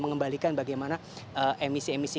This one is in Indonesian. mengembalikan bagaimana emisi emisi